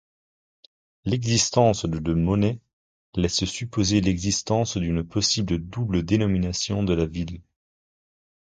L'existence de deux monnaies laisse supposer l'existence d'une possible double dénomination de la ville.